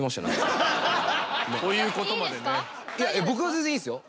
僕は全然いいっすよ。